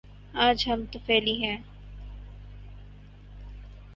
آج ہم طفیلی ہیں۔